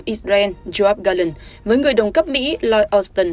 bộ trưởng quốc phòng israel joab galan với người đồng cấp mỹ lloyd austin